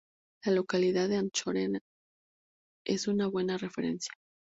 La localidad de Anchorena es una buena referencia.